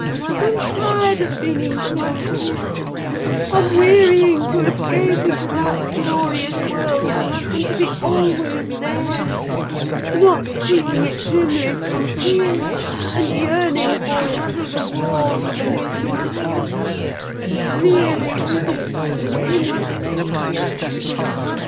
I'm tired of being enclosed here. I'm wearying to escape into that glorious world, and to be always there: not seeing it dimly through tears, and yearning for it through the walls of an aching heart: but really with it, and in it.